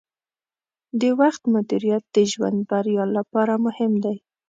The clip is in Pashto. د وخت مدیریت د ژوند بریا لپاره مهم دی.